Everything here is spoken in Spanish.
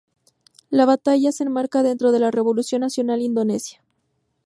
La batalla se enmarca dentro de la Revolución Nacional Indonesia.